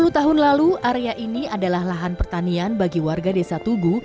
sepuluh tahun lalu area ini adalah lahan pertanian bagi warga desa tugu